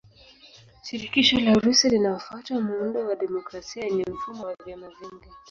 Shirikisho la Urusi linafuata muundo wa demokrasia yenye mfumo wa vyama vingi.